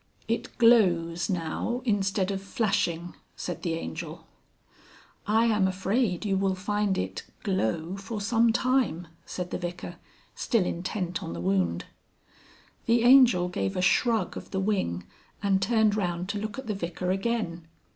"It glows now instead of flashing," said the Angel. "I am afraid you will find it glow for some time," said the Vicar, still intent on the wound. The Angel gave a shrug of the wing and turned round to look at the Vicar again.